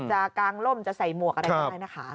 กางล่มจะใส่หมวกอะไรก็ได้นะคะ